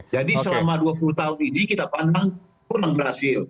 jadi selama dua puluh tahun ini kita pandang kurang berhasil